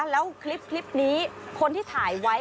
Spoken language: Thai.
แล้วคลิปนี้คนที่ถ่ายไว้